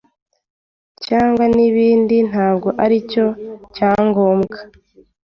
cyangwa n’ibindi ntabwo aricyo cyangombwa